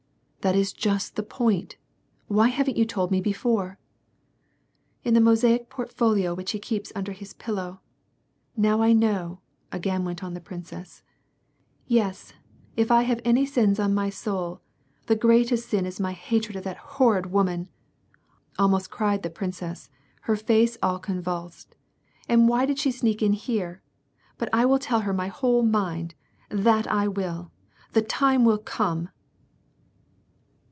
" That is just the point ; why haven't you told me before ?"^" In the mosaic portfolio which he keeps under his pillow. Now I know," agaig^^v Tk*^ ^y^ the princess. " Yes, if I have any sins on my s^^ ^^'^reatest sin is my hatred of that horrid woman," a\^i#fprcried the princess, her face all con vulsed. "And why did she sneak in here? But I will tell her my whole mind, that I will. The time will come